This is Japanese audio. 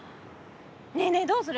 ねえねえどうする？